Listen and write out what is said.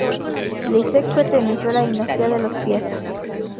Leszek perteneció a la dinastía de los Piastas.